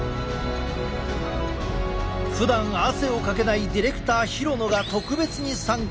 ふだん汗をかけないディレクター廣野が特別に参加！